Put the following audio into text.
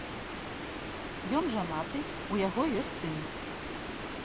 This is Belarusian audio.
Ён жанаты, у яго ёсць сын.